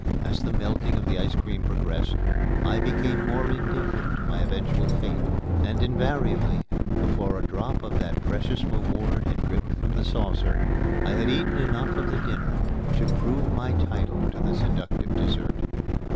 As the melting of the ice cream progressed, I became more indifferent to my eventual fate; and, invariably, before a drop of that precious reward had dripped from the saucer, I had eaten enough of the dinner to prove my title to the seductive dessert.